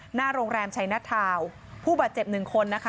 หน้าโรงแรมชัยหน้าทาวน์ผู้บาดเจ็บหนึ่งคนนะคะ